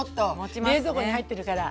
冷蔵庫に入ってるから。